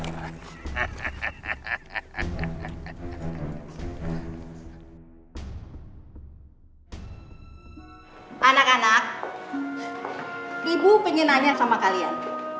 anak anak ibu penginanya sama kalian